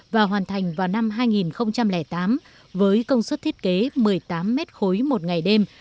và hoàn thành vào năm hai nghìn tám với công suất thiết kế một mươi tám m ba một ngày đêm